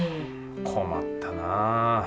困ったな。